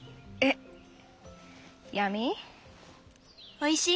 おいしい？